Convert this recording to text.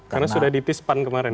karena sudah di tispan kemarin